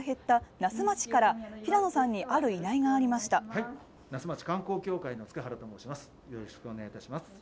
那須町観光協会の塚原と申します。